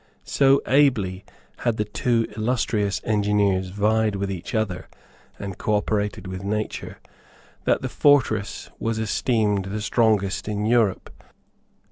So ably had the two illustrious engineers vied with each other and cooperated with nature that the fortress was esteemed the strongest in Europe.